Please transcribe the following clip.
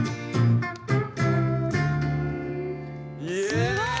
すごい！